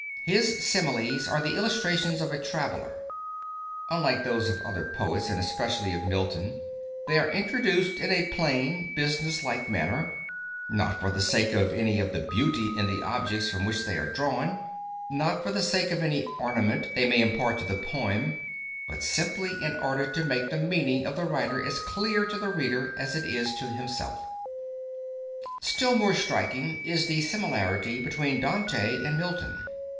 His similies are the illustrations of a traveler. Unlike those of other poets, and especially of Milton, they are introduced in a plain business like manner, not for the sake of any of the beauty in the objects from which they are drawn; not for the sake of any ornament they may impart to the poem; but simply in order to make the meaning of the writer as clear to the reader as it is to himself." "Still more striking is the similarity between Dante and Milton.